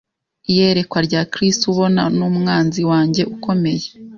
Iyerekwa rya Kristo ubona Numwanzi wanjye ukomeye